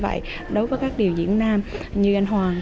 đối với các điều dưỡng nam như anh hoàng